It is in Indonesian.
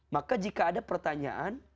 maka jika ada pertanyaan